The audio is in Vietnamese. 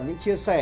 những chia sẻ